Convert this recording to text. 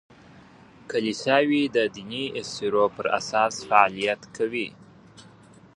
کلیساوې د دیني اسطورو پر اساس فعالیت کوي.